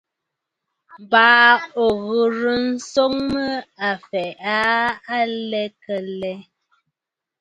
Baa ò ghɨ̀rə nswoŋ mə o fɛ̀ʼ̀ɛ̀ aa a lɛ kə lɛ?